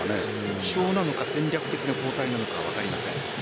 負傷なのか戦略的な交代なのか分かりません。